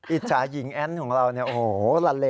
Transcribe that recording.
อิจฉาหญิงแอนต์ของเราโอ้โฮละเล